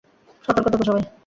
সর্তক থেকো সবাই।